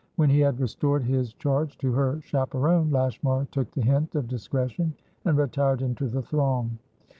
When he had restored his charge to her chaperon, Lashmar took the hint of discretion and retired into the throng.